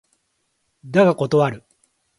だが断る